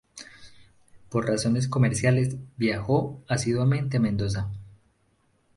Por razones comerciales viajó asiduamente a Mendoza.